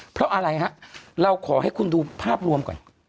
เพราะอะไรฮะเราขอให้คุณดูภาพรวมก่อน